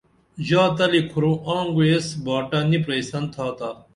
ژاتلی کُھر آنگوعی ایس باٹہ نی پریسن تھاتا